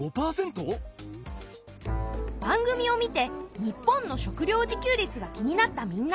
番組を見て日本の食料自給率が気になったみんな。